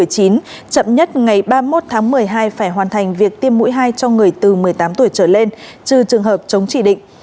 chậm nhất ngày ba mươi một tháng một mươi hai phải hoàn thành việc tiêm mũi hai cho người từ một mươi tám tuổi trở lên trừ trường hợp chống chỉ định